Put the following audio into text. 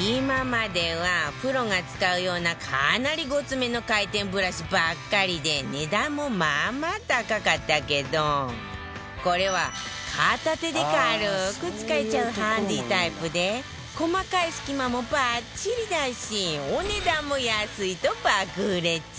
今まではプロが使うようなかなりごつめの回転ブラシばっかりで値段もまあまあ高かったけどこれは片手で軽く使えちゃうハンディタイプで細かい隙間もバッチリだしお値段も安いと爆売れ中